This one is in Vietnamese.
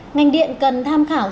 ngành điện cần tham khảo tài năng